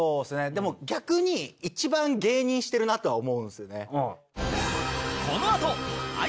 でも逆に一番芸人してるなとは思うんですよね。